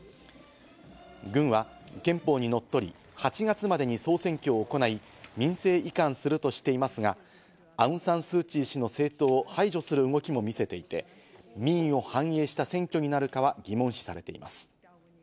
軍は憲法にのっとり、８月までに総選挙を行い、民政移管するとしていますが、アウン・サン・スー・チー氏の政党を排除する動きも見せていて、民意を反映した選挙になるかは疑問視されています。